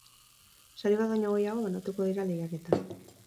Sari bat baino gehiago banatuko dira lehiaketan.